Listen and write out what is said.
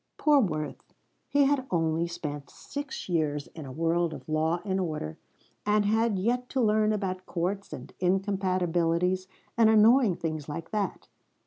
Poor Worth, he had only spent six years in a world of law and order, and had yet to learn about courts and incompatibilities and annoying things like that.